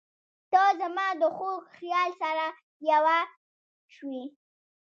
• ته زما د خوږ خیال سره یوه شوې.